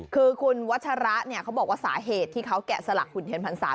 คือคุณวัชระเนี่ยเขาบอกว่าสาเหตุที่เขาแกะสลักหุ่นเทียนพรรษา